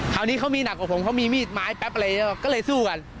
คราวนี้เขามีหนักกว่าผมเขามีมีดไม้แป๊บอะไรอย่างนี้ก็เลยสู้กัน